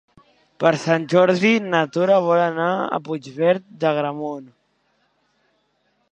Per Sant Jordi na Tura vol anar a Puigverd d'Agramunt.